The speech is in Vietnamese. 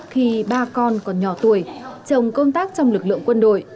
khi ba con còn nhỏ tuổi chồng công tác trong lực lượng quân đội